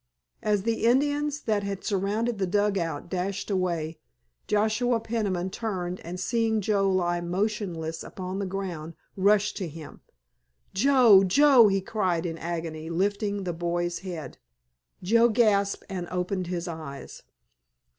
As the Indians that had surrounded the dugout dashed away Joshua Peniman turned, and seeing Joe lie motionless upon the ground rushed to him. "Joe, Joe," he cried in agony, lifting the boy's head. Joe gasped and opened his eyes.